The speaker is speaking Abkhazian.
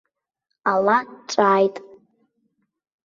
Ала ҵәааит.